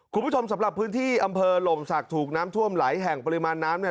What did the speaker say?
คุณผู้ชมสำหรับพื้นที่อำเภอหล่มศักดิ์ถูกน้ำท่วมหลายแห่งปริมาณน้ำเนี่ย